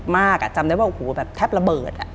มากอ่ะจำได้ว่าแทบระเบิดอ่ะ